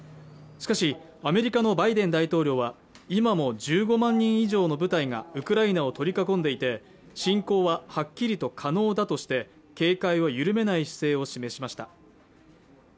しかしアメリカのバイデン大統領は今も１５万人以上の部隊がウクライナを取り囲んでいて侵攻ははっきりと可能だとして警戒を緩めない姿勢を示しました